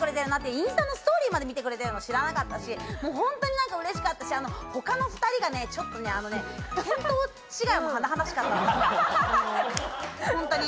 インスタのストーリーまで見てくれてるの知らなかったし、本当にうれしかったし他の２人が見当違いも甚だしかったんですよ。